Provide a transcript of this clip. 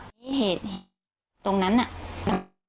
นี่เหตุตรงนั้นน่ะ